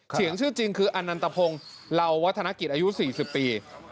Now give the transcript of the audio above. เสียงชื่อจริงคืออนันตพงศ์เหล่าวัฒนกิจอายุ๔๐ปี